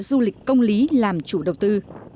du lịch công lý làm chủ đầu tư